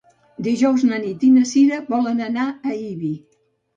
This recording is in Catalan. Dijous na Nit i na Sira volen anar a Ibi.